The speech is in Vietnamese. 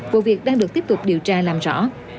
vụ việc đang được tiếp tục điều tra làm rõ